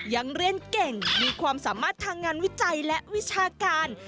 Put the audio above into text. ยังเรียนเก่งมีความสามารถทางงานวิจัยและวิชาการ